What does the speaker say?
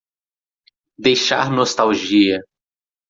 Deixar nostalgia